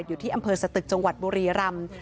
อยู่ที่อำเภอสตึกจังหวัดบุรีรำ